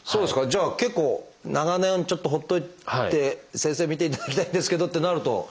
じゃあ結構長年ちょっと放っといて「先生診ていただきたいんですけど」ってなると。